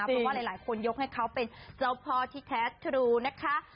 เพราะว่าหลายคนยกให้เขาเป็นเจ้าพ่อที่แท้ทรูนะคะ